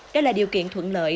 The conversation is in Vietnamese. đó là điều kiện thuận lợi